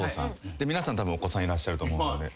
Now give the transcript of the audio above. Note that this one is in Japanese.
で皆さんたぶんお子さんいらっしゃると思うので。